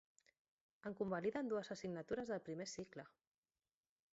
Em convaliden dues assignatures del primer cicle.